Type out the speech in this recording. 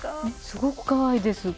すごくかわいいです。